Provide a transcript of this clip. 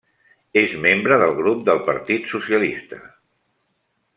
És membre del grup del Partit Socialista.